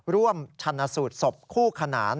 ร่วมชนะสูตรสบคู่ขนาน